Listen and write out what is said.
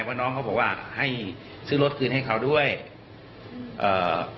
เพราะน้องเขาบอกว่าให้ซื้อรถคืนให้เขาด้วยเอ่อ